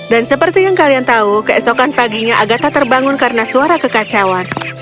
dan seperti yang kalian tahu keesokan paginya agatha terbangun karena suara kekacauan